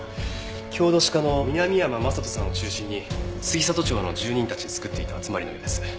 郷土史家の南山将人さんを中心に杉里町の住人たちで作っていた集まりのようです。